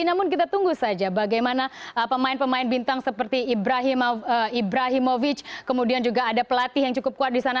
namun kita tunggu saja bagaimana pemain pemain bintang seperti ibrahimovic kemudian juga ada pelatih yang cukup kuat di sana